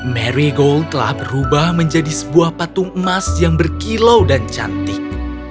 mary gold telah berubah menjadi sebuah patung emas yang berkilau dan cantik